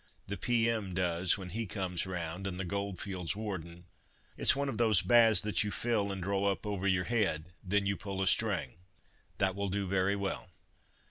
The P.M. does, when he comes round, and the Goldfields Warden. It's one of those baths that you fill and draw up over your head. Then you pull a string." "That will do very well."